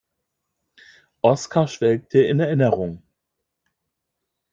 Oskar schwelgte in Erinnerungen.